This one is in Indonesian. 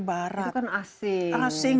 barat itu kan asing